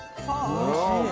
おいしい。